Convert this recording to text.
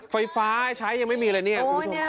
ไฟฟ้าให้ใช้ยังไม่มีอะไรเนี่ย